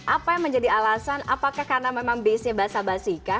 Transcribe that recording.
apa yang menjadi alasan apakah karena memang biasanya bahasa basi kah